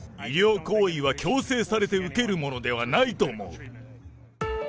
医療行為は強制されて受けるものではないと思う。